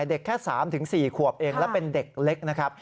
เด็กแค่๓๔ขวบเองและเป็นเด็กเล็กนะครับ